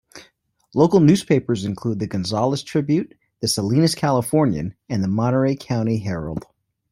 Local newspapers include the "Gonzales Tribune", the "Salinas Californian" and the "Monterey County Herald".